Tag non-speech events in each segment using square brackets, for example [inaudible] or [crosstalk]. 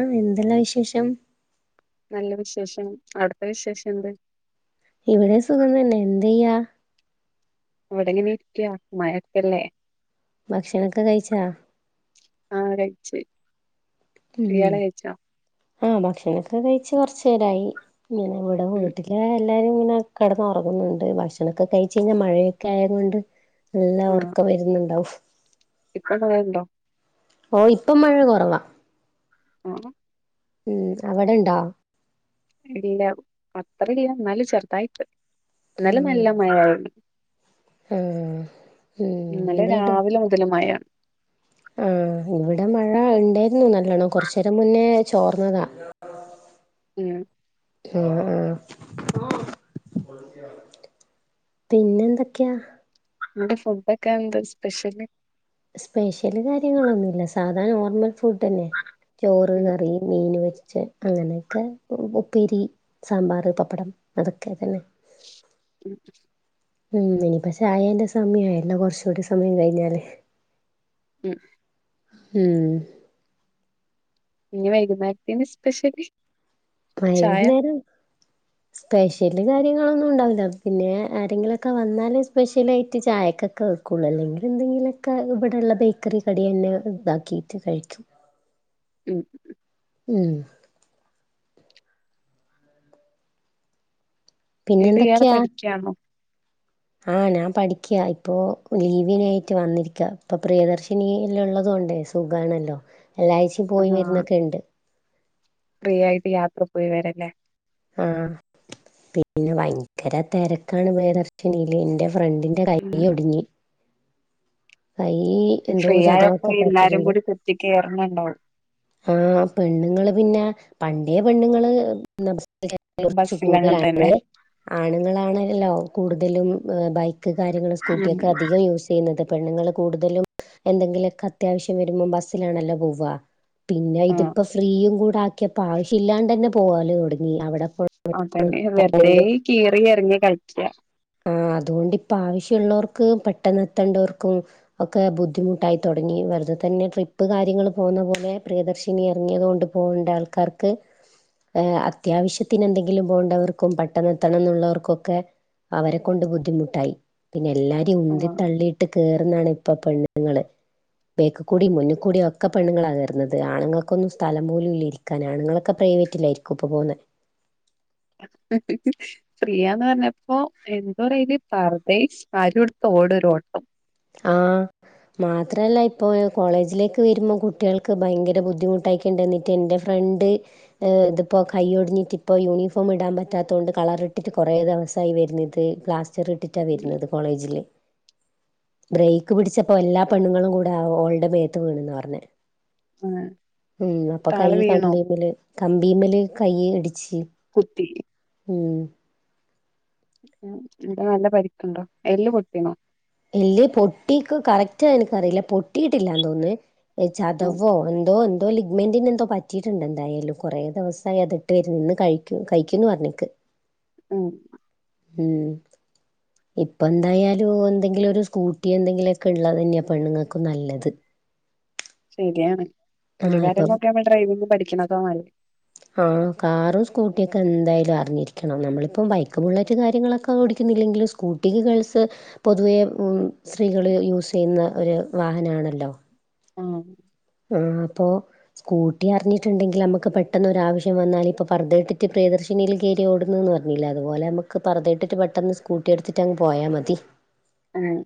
ആഹ് എന്തെല്ലാ വിശേഷം? നല്ല വിശേഷം അട്ത്ത വിശേഷന്ത്? ഇവിടെ സുഖം തന്നെ എന്ത്യ്യാ? ഇവിടെങ്ങനെരിക്ക മഴക്കല്ലേ? ഭക്ഷണോക്കെ കഴിച്ചാ ആഹ് കഴിച്ച് ഉം ഇയാള് കഴിച്ചോ ആഹ് ഭക്ഷണൊക്കെ കഴിച്ച് കൊറച്ചേരായി. ഇങ്ങനെ ഇവടെ ഉം വീട്ട്ല് ഇവടെ എല്ലാരു ഇങ്ങനെ കടന്നോറങ്ങുന്ന്ണ്ട് ഭക്ഷണോക്കെ കഴിച്ചഴിഞ്ഞ് മഴയൊക്കെ ആയതോണ്ട് നല്ല ഒറക്കം വര്ന്ന്ണ്ടാവും ഇപ്പോവ്ടെ മഴണ്ടോ ഓഹ് ഇപ്പം മഴ കൊറവാ. അ മ്മ് അവിടെണ്ടോ? ഇല്ല അത്ര ഇല്ല എന്നാലും ചെറ്തായിട്ട് ഇന്നലെ ഉം നല്ല മഴായിന് ആഹ് ഉം ഇന്നലെ എന്തേയ്ത് രാവിലെ മുതല് മഴ ആഹ് ഇവടെ മഴ ഇണ്ടേര്ന്നു നല്ലോണം കൊറച്ചേരം മുന്നേ ചോറ്ന്നതാ. ഉം ആഹ് ആഹ് പിന്നെന്തെക്ക്യ അന്റെ ഫുഡൊക്കെ എന്താ സ്പെഷ്യല്?. സ്പെഷ്യല് കാര്യങ്ങളൊന്നുല്ല സാധാ നോർമൽ ഫുഡെന്നെ ചോറ് ഉം കറി മീൻ വറ്റിച്ചേ അങ്ങനെയൊക്കെ ഉപ്പേരി സാമ്പാറ് പപ്പടം അതൊക്കെത്തന്നെ ഉം ഉം ഇനിയിപ്പോ ചായേന്റെ സമയായല്ലോ കൊറച്ചൂടിം സമയം കഴിഞ്ഞാല് ഉം മ്മ് ഇഞ്ഞ് വൈകുന്നേരത്തിന് സ്പെഷ്യല് ചായ വൈകുന്നേരം സ്പെഷ്യല് കാര്യങ്ങളൊന്നുണ്ടാവൂല പിന്നെ ആരെങ്കിലൊക്കെ വന്നാല് സ്പെഷ്യലായിട്ട് ചായക്കൊക്കെ വെക്കും. ക്കൊള്ളൂ അല്ലെങ്കില് എന്തെങ്കിലൊക്കെ ഇവടെള്ള ബേക്കറി കടിയെന്നെ ഇണ്ടാക്കീട്ട് കഴിക്കും ഉം ഉം പിന്നെ എന്നിട്ട് ഇയാൾ പഠിക്കാന്നോ ആ ഞാൻ പഠിക്യാ ഇപ്പോലീവിനായിറ്റ് വന്നിരിക്ക ഇപ്പൊപ്രിയദർശിനിഎല്ലാ ള്ളത്കൊണ്ട് സുഖമാണല്ലോ. എല്ലാഴ്ചയും പോയി ആഹ് വരുന്നൊക്കെ ഇണ്ട്. ഫ്രീ ആയിട്ട് യാത്ര പോയി വരല്ലേ. ആ പിന്നെ ഭയങ്കര തിരക്കാണ് പ്രിയദർശിനിയില് എൻ്റെ ഫ്രണ്ടി എന്റെ ഉം കൈ ഒടിഞ്ഞ്. കൈ എന്തോ ഫ്രീ ആയപ്പോ ചതവൊക്കെ എല്ലാരും പറ്റിയിട്ടുണ്ട് കൂടി കുത്തി കേറുന്നുണ്ടാവും. ആ പെണ്ണുങ്ങള് പിന്നെ, പണ്ടേ പെണ്ണുങ്ങള് [unintelligible] [unintelligible] കുറച്ചു ബസ്സിലങ്ങനെ കൂടുതലണ് തന്നെ ആണുങ്ങളാണല്ലോ കൂടുതലും ബൈക്ക് കാര്യങ്ങൾ ഉം സ്കൂട്ടിയൊക്കെ അധികം യൂസ് ചെയുന്നത് പെണ്ണുങ്ങള് കൂടുതലും എന്തെങ്കിലൊക്കെ അത്യാവശ്യം വരുമ്പോം ബസ്സിലാണല്ലോ പോവ പിന്നെ ആഹ് ഇതിപ്പോ ഫ്രീയും കൂടെ ആക്കിയപ്പോ ആവശ്യല്ലാണ്ടെന്നേ പോവാലോ ഇവിടന്ന് അവിടെ പോ അതന്നെവെറുതെകീറിഎറങ്ങി കളിക്ക ആഅതുകൊണ്ട്ഇപ്പ ആവശ്യള്ളോർക്പെട്ടന്നെത്തേണ്ടോർക്കും ഒക്കെബുദ്ധിമുട്ടായിതുടങ്ങി വെുറുതതന്നെട്രിപ്പ്കാര്യങ്ങള് പോകുന്നപോലെപ്രിയദർശിനി എറങ്ങിയതോണ്ട് പോണ്ടാൾക്കാർക്ക്എഹ്അ അത്യാവശ്യത്തിനെന്തെങ്കിലും പോണ്ടവർക്കുംപട്ടെന്നെത്തണു ന്നുള്ളോർക്കൊക്കെ അവരെക്കൊണ്ട്ബുദ്ധിമുട്ടായി. പിന്നെല്ലാരിം ആഹ് ഉന്തിതള്ളിയിട്ട് കേറുന്നാണ് ഇപ്പൊപെണ്ണുങ്ങള് ബേക്കികൂടിംമുന്നികൂടിംഒക്കെ പെണ്ണുങ്ങളാണ് കേറുന്നത് ആണുങ്ങക്കൊന്നുംസ്ഥലംപോലും ലില്യഇരി കാണ്അനുങ്ങളൊക്കെ പ്രൈവറ്റിലായിരിക്കു ഇപ്പോ പോവുന്നെ [unintelligible] ഫ്രീയാന്ന്പറിഞ്ഞപ്പോഎന്തൊരുലിപർദ്ധയിംസാരിടുത്തുഓടോരോട്ടം ആ മാത്രല്ല ഇപ്പൊ കോളേജിലേക്ക് വരുമ്പോ കുട്ടിയേള്ക്ക്ഭയങ്കരബുദ്ധിമുട്ടായി ണ്ടെന്നിട്ട് ഇൻ്റെഫ്രണ്ട് ഇഹ്ഇതിപ്പോ കയ്യിടോഞ്ഞിട്ടിപ്പോ യൂണിഫോമിടാൻ പറ്റാതോണ്ട്കളറിട്ടിട്ട്കുറേ ദെവസായി വരുന്നത് ഉം പ്ലാസ്റ്ററിട്ടിട്ടാവെര്ന്നത്കോളേജില് ബ്രേക്ക്പിടിച്ചപ്പോഎല്ലാ പെണ്ണുങ്ങളുംകൂടെഓൾടെമേത്ത് വീണ്ന്നാപറഞ് ആഹ് താള് വീണോ ഉംഅപ്പൊകൈകമ്പിമ്മ്ല് കമ്പിമ്മ്ല് കൈഇടിച്ചി കുത്തി ഉമ് മ്മ്ഇതാനല്ലപരിക്കുണ്ടോഎല്ല് പൊട്ടീണോ എല്ല്പൊട്ടിക്ക്കറക്ട്യിനിക്കറിയി ലാപൊട്ടിയിട്ടില്ലാന്ന്തോന്നുന്നെ ഉം ഏഹ്ചതവോഎന്തോന്ന് എന്തോലിഗ്മെന്റിന് എന്തോ പറ്റിയിട്ടുണ്ട്എന്തായാലുംകുറേ ദെവസായിഅത്ഇട്ട് വര്ന്ന്ഇന്ന് കഴിക്കു കഴിക്കുന്ന്പറഞ്ഞിക്ക് [inaudible] ഉം ഉം ഇപ്പന്തായാലും ഓ എന്തെങ്കിലൊരു സ്കൂട്ടി എന്തെങ്കിലൊക്കെഇള്ളതെന്ന്യ പെണ്ണുങ്ങൾക്കുംനല്ലത് ആഹ് ഇപ്പം ശരിയാണ്ഒരുകാര്യംനോക്ക്യനമ്മള് ഡ്രൈവിംഗ്പഠിക്കണതാനല്ല ആ കാറുംസ്‌കൂടിയൊകെന്തായാലും അറിഞ്ഞിരിക്കണംനമ്മളിപ്പം ബൈക്ക്ബുള്ളറ്റ്കാര്യങ്ങളൊക്കെ ഓടിക്കുന്നില്ലെങ്കില് സ്കൂട്ടിക്ക്ഗേൾസ്പൊതുവേ സ്ത്രീകള് യുസെയുന്നഒരു വാഹനാണല്ലോ ആ ആഅപ്പോ കൂട്ടിഅറിഞ്ഞട്ടുങ്കിൽനമുക്ക് പെട്ടെന്നൊരുആവശ്യംവന്നാല് ഇപ്പപർദ്ധയിട്ടിട്ട്പ്രിയദർശ് പിന്നീല്കേരിയോട്ന്ന്ന്ന് പറഞ്ഞിലേ അതുപോലെമ്മക്ക്പർദ്ധയിട്ടിട്ട് പെട്ടെന്ന്സ്കൂട്ടിഎടുത്തിട്ടഅങ്ങ് പോയാമതി ആഹ്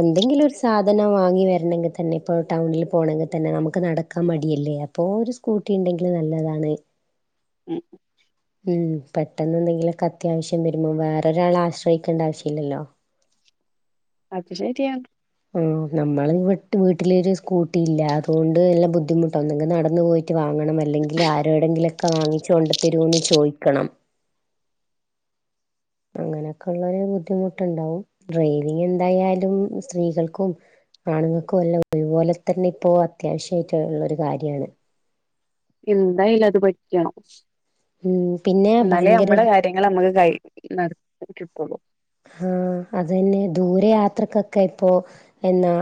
എന്തെങ്കിലൊരുസാധനംവാങ്ങി വരണങ്കിതന്നെഇപ്പൊടൗണിൽ പോണമങ്കിതന്നെ നമുക്ക് നടക്കാമടിയല്ലേ പോരു സ്കൂട്ടിണ്ടെങ്കില് നല്ലതാണ്. ഉം ഉം പെട്ടെന്ന് എന്തെങ്കിലൊക്കത്യാവശ്യം വരുമ്പോ വേറൊരാളെ ആശ്രയിക്കേണ്ട ആവശ്യല്ലല്ലോ. അത് ശരിയാ ആനമ്മള് വിട്ട് വീട്ടിലൊരു സ്കൂട്ടിയില്ല അതുകൊണ്ട്എല്ലാം ബുദ്ധിമുട്ടാന്ന്ഒന്നെങ്കിനടന്നുപോയി ട്ട്വാങ്ങണംഅല്ലെങ്കില് ആരോടെെങ്കിലൊക്കെവാങ്ങിച്ച് കൊണ്ട്താരോന്ന്ചോയിക്കണം. അങ്ങനേക്കൊള്ളുരു ബുദ്ധിമുട്ടുണ്ടാവുംഡ്രൈവിങ്ങെന്തായാലുംസ്ത്രീകൾക്കും ആണ്ങ്ങക്ക് വല്ല ഒരുപോലെതന്നെ ഇപ്പോഅത്യാവശ്യയിട്ടുള്ളൊരു കാര്യാണ്. എന്തായാലുംഅത് പഠിക്കണം ഉം പിന്നെ ഭയങ്കര ഇന്നാലെനമ്മളകാര്യ ങ്ങളെമ്മക്ക്കൈ [unintelligible] ആഹ്അതെന്നെദൂരയാത്രകക്കോഇപ്പോ എന്നാ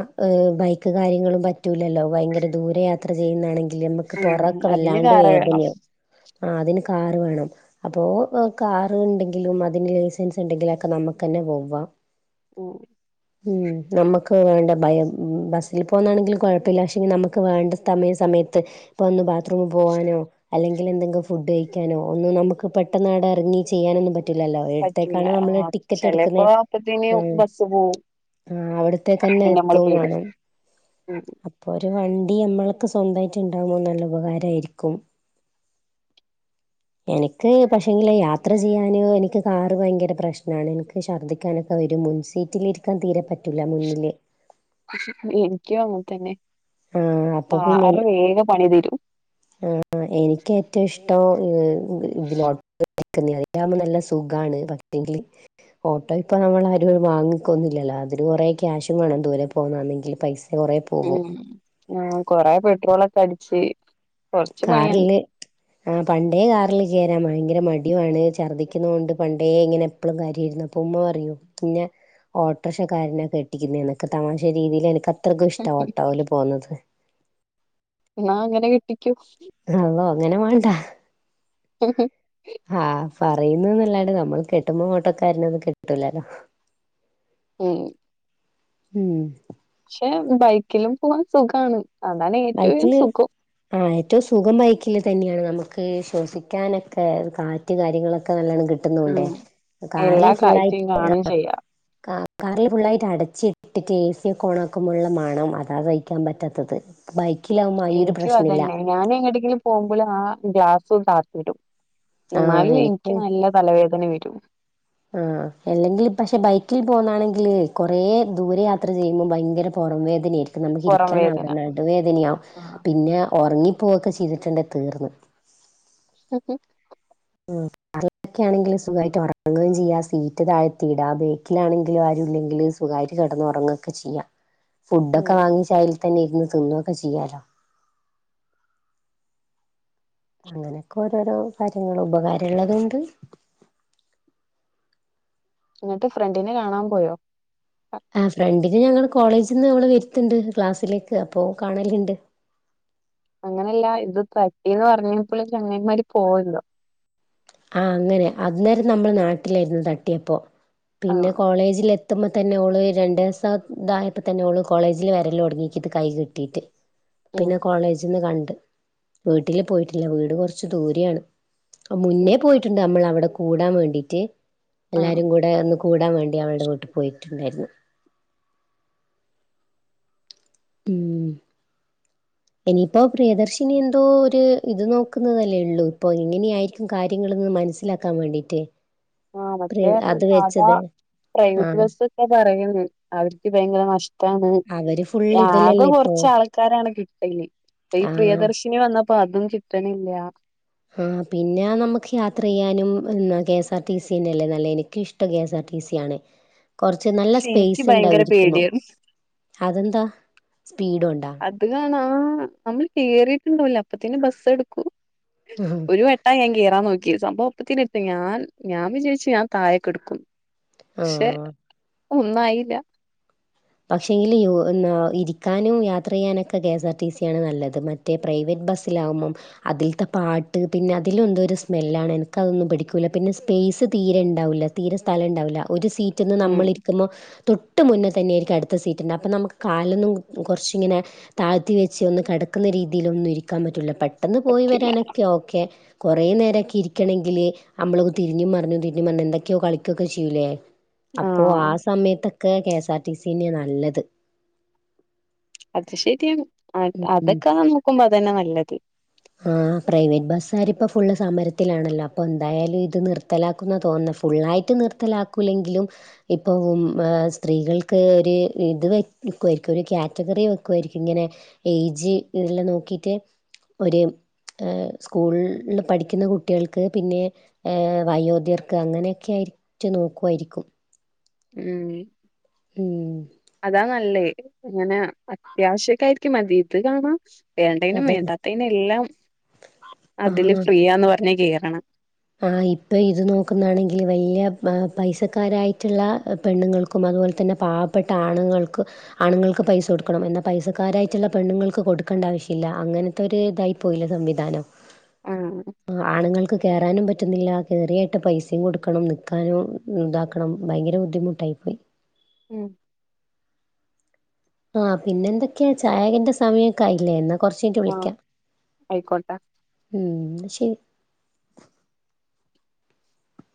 ബൈക്ക്കാര്യങ്ങളും പറ്റൂല്ലല്ലോഭയങ്കര ദൂരെയാത്ര ചെയ്യ്ന്നാണെങ്കി ഉം അതിന് ല്ല്യമ്മക്ക്പൊറൊക്കെവല്ലാണ്ട് കാറ വേണം വേദനയാവും. ആ അതിന് കാറ് വേണം അപ്പോ കാർ ഉണ്ടെങ്കിലും അതിന് ലൈസൻസ് ഉണ്ടെങ്കിലും ക്കെ നമുക്ക് തന്നെ പോവാം. [unintelligible] [inaudible] ഉം നമുക്ക് വേണ്ട ഭയം ബസ്സിൽ പോകുന്നാണെങ്കിലും കുഴപ്പമില്ല പക്ഷെങ്കിൽ നമുക്ക് വേണ്ട സ്ഥമയ സമയത്ത് ഇപ്പൊ ഒന്ന് ബാത്റൂമിൽ പോവാനോ അല്ലെങ്കിൽ എന്തെങ്കും ഫുഡ് കഴിക്കാനോ ഒന്നും നമുക്ക് പെട്ടെന്നാട് ഇറങ്ങി ചെയ്യാനൊന്നും പറ്റ പറ്റൂല്ല ആഹ് എടുക്കുന്നേ ചിലേപ്പോ അപ്പത്തിന് ആഹ് ബസ് പോവും ആഹ് അവിടത്തേക്കന്നെ അപ്പപിന്നെ നമ്മള് എത്തും പെടും. വേണം ഉം അപ്പൊ ഒരു വണ്ടി നമ്മൾക്ക് സ്വന്തമായിട്ട് ഉണ്ടാകുമ്പോ നല്ല ഉപകാരമായിരിക്കും. എനിക്ക് പക്ഷെങ്കില് യാത്ര ചെയ്യാനോ എനിക്ക് കാറ് ഭയങ്കര പ്രശ്നാണ്. ശർദ്ദിക്കാനൊക്കെ വരും. മുൻസീറ്റിലിരിക്കാൻ തീരെ പറ്റൂല്ല മുന്നില് എനിക്കും അങ്ങനെ തന്നെ ആഹ് അപ്പൊ [unintelligible] വേഗം പണി തരും. ആ എനിക്ക് ഏറ്റവും ഇഷ്ടം [unintelligible] നിക്കുന്നയാ അതിലാവുമ്പോ നല്ല സുഖാണ് പറ്റെങ്കില് ഓട്ടോ ഇപ്പൊ നമ്മൾ ആരും വാങ്ങിക്കൊന്നൂല്ലല്ലോ അതിന് കുറെ ക്യാഷും വേണം ദൂരെ പോകാണെങ്കിൽ പൈസ കുറേ ഉം ആ കൊറെ പെട്രോളൊക്കെ അടിച്ച് കൊറച്ച് പണിയാണ് കാറില്ല് ആ പണ്ടേ കാറിൽ കയറാൻ ഭയങ്കര മടിയുവാണ് ഛർദ്ദിക്കുന്നോണ്ട് പണ്ടേ ഇങ്ങനെ എപ്പളും കാര്യമായിരുന്നു അപ്പൊ ഉമ്മ പറയും ഇന്നെ ഓട്ടോർഷക്കാരനാ കെട്ടിക്കുന്നേന്ന് തമാശ രീതിയിൽ എനക്ക് അത്രയ്ക്കും ഇഷ്ട്ടാ ഓട്ടോവിൽ പോവുന്നത്. ന്നാ അങ്ങനെ കെട്ടിക്കോ. അള്ളോ അങ്ങനെ മാണ്ട. [unintelligible] ആഹ് പറയുന്ന്ന്നല്ലാണ്ട് നമ്മൾ കെട്ടുമ്പോ ഓട്ടക്കാരനൊന്നും കെട്ടൂലല്ലോ. ഉം ഉം ക്ഷെ ബൈക്കിലും പോകാൻ സുഖാണ് അതാണ് ഏറ്റോയും ബൈക്കില് സുഖം. ആ ഏറ്റവും സുഖം ബൈക്കിൽ തന്നെയാണ് നമുക്ക് ശ്വസിക്കാനൊക്കെ കാറ്റ് കാര്യങ്ങളൊക്കെ നല്ലോണം കി ട്ടുന്നൂണ്ടെ ഉം കാറിൽ എല്ലാ ഫുള്ളായിട്ട് കാഴ്ചയും കാണും ആഹ് ചെയ്യാം കാർ കാറിൽ ഫുള്ളായിട്ട് അടച്ചിട്ട് ക്ക് ഏസിയൊക്കോണാക്കുമ്പള്ള മണോ അതാ സയ്ക്കാൻ പറ്റാത്തത്. ബൈക്കിലാവുമ്മ എനിക്കും അതന്നെ ഞാൻ എങ്ങട്ടെങ്കിലും പോകുമ്പോള് ആ ഗ്ലാസ് ഒന്ന് താത്തിടും. ആഹ് എന്നാലും എനിക്ക് എനിക്കും നല്ല തലവേദന വരും. ആഹ് അല്ലെങ്കിൽ പക്ഷെ ബൈക്കിൽ പോകുന്നാണെങ്കില് കുറ ദൂരെ യാത്ര ചെയ്യുമ്പോ ഭയങ്കര പുറം വേദനയായിരി ക്കും നമുക്ക് പുറം വേദന ഇരിക്കാനാവൂല്ല നടുവേദനയാവും ആഹ് പിന്നെ ഉറങ്ങിപ്പോവൊക്കെ ചെയ്തിട്ടുണ്ടേ തീർന്ന്. ആഹ് ഹും ഉം കാറിലൊക്കെയാണെങ്കിലും സുഖായിട്ട് ഉറങ്ങേം ചെയ്യാ സീറ്റ് താഴ്ത്തി ഇടാം വീ ട്ടിലാണെങ്കിലും ആരും ഇല്ലെങ്കില് സുഖായിട്ട് കെടന്ന് ഉറങ്ങൊക്കെ ചെയ്യാം ഫുഡോക്കെ ഉം വങ്ങിച്ച് അയിൽ തന്നെ ഇരുന്ന് തിന്നൊക്കെ ചെയ്യാലോ അങ്ങനെക്കെ ഓരോരോ കാര്യങ്ങള് ഉപകാരള്ളതും ഇണ്ട് എന്നിട്ട് ഫ്രണ്ടിനെ കാണാൻ പോയോ? ആഹ് ഫ്രണ്ടിനെ ഞങ്ങള് കോളേജിന്ന് അവള് വര്ത്തിണ്ട് ക്ലാസ്സിലേക്ക് അപ്പോ കാണലിണ്ട് അങ്ങനെയല്ല ഇത് പറ്റിന്ന് പറഞ്ഞപ്പള് ചങ്ങായിമാര് പോവല്ലോ ആഹ് അങ്ങനെ അന്നേരം നമ്മള് നാട്ടിലായിര്ന്ന് തട്ടിയപ്പോ പിന്നെ ആഹ് കോളേജില് എ ത്തുമ്പോ തന്നെ ഓള് രണ്ട് ദിവസ ഇതായപ്പോ തന്നെ ഓള് കോളേജില് വെരല് തൊടങ്ങീക്കിത് കൈ കെട്ടീട്ട് ഉം പിന്നെ കോളേജിന്ന് കണ്ട് വീട്ടില് പോയിട്ടില്ല വീട് കൊറച്ച് ദൂരേയാണ് ഉം മുന്നേ പോയിട്ടോണ്ട് നമ്മള് അവടെ കൂടാൻ വേണ്ടീറ്റ് ആഹ് എല്ലാരും കൂടെ ഒന്ന് കൂടാൻ വേണ്ടി അവൾടെ വീട്ടി പോയിട്ടുണ്ടായിരുന്നു ഉം ഇനിയിപ്പോ പ്രിയദർശിനി എന്തോ ഒര് ഇത് നോക്കുന്നതല്ലേ ഇള്ളൂ ഇപ്പൊ എങ്ങനെയായിരിക്കും കാര്യങ്ങള്ന്ന് മനസ്സിലാ ക്കാൻ വേണ്ടിറ്റ് ആ മറ്റേ അത് സാധാ പ്രൈവറ്റ് ആഹ് ബസ്സോക്കെ പറയുന്ന് അവർക്ക് ഭയങ്കര നഷ് ട്ടാണ് അവര് ഫുൾ ആകെ ഇതിലല്ലേ ഇപ്പൊ കൊറച്ച് ആൾക്കാരാണ് കിട്ടല് ഇപ്പ ഈ ആഹ് പ്രിയദർശി നി വന്നപ്പോ അതും കിട്ടണില്ല ആ പിന്നെ നമുക്ക് യാത്ര ചെയ്യാനും ഉം K S R T C ന്നെല്ലേ നല്ലേന് എനിക്കിഷ്ടം K S R T C ആണ് കൊറച്ച് നല്ല പക്ഷെ എനിക്ക് സ്പേയിസ് ഇണ്ടാവും ഭയങ്കര ഇരിക്കുമ്പോ പേടിയായിരുന്നു അതെന്താ സ്പീഡ് ഒണ്ടാ അത് കാണാ ആ നമ്മള് കേയറിയിട്ടുണ്ടാവൂല അപ്പത്തിന്നെ ബസ്സ് എടുക്കും ഉ ഹ ഒരു വെട്ടാ ഞാൻ കേറാ നോക്കിയെ സംമ്പോം ഒപ്പത്തിന്നു എടുത്ത് ഞാൻ ഞാൻ വിചായിച്ചു ഞാൻ തായെകെടുക്കും പക്ഷെ ആഹ് ഒന്നായില്ല പക്ഷെ എങ്കില് ഓ ന്നാ ഇരിക്കാനും യാത്രയ്യാനൊക്കെ K S R T C ആണ് നല്ലത് മ മറ്റേ പ്രൈവറ്റ് ബസ്സിലാവുമ്പം അതിലത്തെ പാട്ട് പിന്നെ അതിലെ ന്തോ ഒര് സ്മെല്ലാണ് എനക്ക് അതൊന്നും പിടിക്കൂല്ല പിന്നെ സ്പേസ് തീരെ ഇണ്ടാവ്വൂല്ല തീരെ സ്ഥലം ഇണ്ടാവൂല ഒരു സീറ്റന്ന് ഉം നമ്മളിരിക്കുമ്പോ തൊട്ട് മുന്നെ തന്നെയാരി അടുത്ത സീറ്റുണ്ടാ അപ്പം നമക്ക് കാലൊന്നും കൊറച്ചിങ്ങനെ താഴ്ത്തി വെച്ച് ഒന്ന് കെടക്കുന്ന രീതില് ഒന്നും ഇരിക്കാൻ പറ്റൂല്ല പെട്ടെന്ന് പോയി പറ്റൂല വരാനൊക്കെ ഓക്കെ കെറേ നേരൊക്കെ ഇരിക്കണെങ്കില് നമ്മളൊന്ന് തിരിഞ്ഞും മറിഞ്ഞും തിരിഞ്ഞും മറിഞ്ഞും എന്തൊക്കെയോ കളിക്കുക്കെ ചെയ്യൂലെ അപ്പോ ആ ആഹ് സമയത്തൊക്കെ K S R T C ന്ന്യയ നല്ലത് അത് ശരിയാണ് അ അതൊക്കെ നോക്കുമ്പോ അത് തന്ന നല്ലത് ആ പ്രൈവറ്റ് ബസ്സാരിപ്പോ ഫുള്ള് സമരത്തിലാണല്ലോ അപ്പൊ എന്തായാലും ഇത് നിർത്തലാ ക്കുന്നാ തോന്ന്നേ ഫുള്ളായിട്ട് നിർത്തലാക്കുല്ലെങ്കിലും ഇപ്പൊ ഉം ഏ സ്ത്രീകൾ ക്ക് ഒര് ഇത് വയ് വക്കുവായിരിക്കും ഒര് കാറ്റഗറി വയ്ക്കുവായിരിക്കും ഇങ്ങനെ ഏജ് ഇതെല്ലാം നോക്കിട്ട് ഒര് സ്കൂളിൽ നിന്ന് പഠിക്കുന്ന കുട്ടികൾക്ക് പിന്നെ ഏയ്യ് വയോധ്യർക്ക് അങ്ങനെക്കെ ആയിട്ട് നോക്കുവായിരിക്കും ഉം ഉം അതാ നല്ലേ അങ്ങനെ അത്യാവശ്യക്ക ആയിരിക്കും മതി ഇത് കാണാം വേണ്ടെനും അതന്നെ വേണ്ടാത്തെനും എല്ലാം അതില് ഫ്രീയാന്ന് പറഞ്ഞ് കേറണം ആ ഇപ്പൊ ഇത് നോക്കുന്ന ആണെങ്കില് വല്യയ പൈസക്കാരായിറ്റുള്ള പെണ്ണുങ്ങൾ ക്കും അത് പോല്തന്നെ പാവപ്പെട്ട ആണുങ്ങൾക്ക് ആണുങ്ങൾക്ക് പൈസ കൊടുക്കണം എന്നാ പൈസക്കാരായിറ്റുള്ള പെണ്ണുങ്ങൾക്ക് കൊടുക്കണ്ട ആവശ്യ ഇല്ല അങ്ങനെ അത് ഒര് ഇതായി പോയില്ലേ സംവിധാനം ഉം ആഹ് ആണുങ്ങൾക്ക്. കേ വരാനും പറ്റുന്നില്ല കേറിയായിട്ട് പൈസയും കൊടുക്കണം നിൽക്കാനും ഇതാക്കണം ഭയങ്കര ബുദ്ധിമുട്ടായിപ്പോയി. ഉം ആഹ് പിന്നെ എന്തെക്കെയാ ചായെ ന്റെ സമയൊക്കെ ആയില്ലേ ന്ന കൊറച്ച് കഴിഞ്ഞിട്ട് ആഹ് വിളിക്കാം ആയിക്കോട്ടെ ഉം ന്ന ശരി